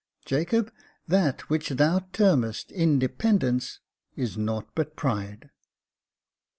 Jacob, that which thou termest independence is naught but pride."